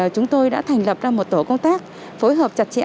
chúng tôi đã thành lập ra một tổ công tác phối hợp chặt chẽ